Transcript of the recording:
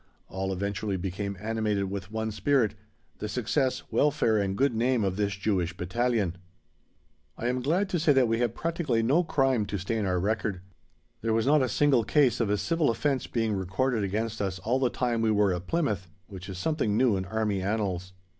All eventually became animated with one spirit the success, welfare and good name of this Jewish Battalion. I am glad to say that we had practically no crime to stain our record. There was not a single case of a civil offence being recorded against us all the time we were at Plymouth, which is something new in Army annals.